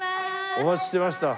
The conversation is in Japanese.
お待ちしてました。